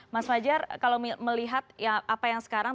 mas fajar kalau melihat apa yang sekarang